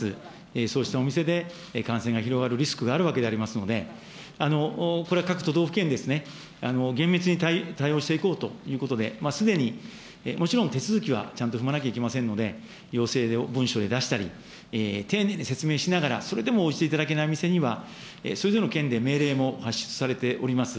そうしたお店で感染が広がるリスクがあるわけでありますので、これは各都道府県、厳密に対応していこうということで、すでに、もちろん手続きはちゃんと踏まなきゃいけませんので、要請を文書で出したり、丁寧に説明しながら、それでも応じていただけないお店には、それぞれの県で命令も発出されております。